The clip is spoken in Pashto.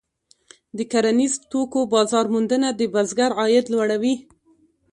د کرنیزو توکو بازار موندنه د بزګر عاید لوړوي.